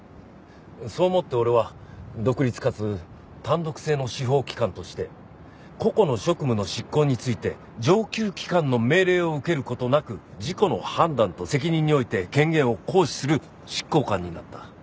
そう思って俺は独立かつ単独制の司法機関として個々の職務の執行について上級機関の命令を受ける事なく自己の判断と責任において権限を行使する執行官になった。